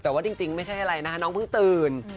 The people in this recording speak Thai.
แต่ว่าจริงไม่ใช่อะไรนะคะน้องเพิ่งตื่น